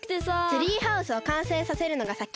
ツリーハウスをかんせいさせるのがさき！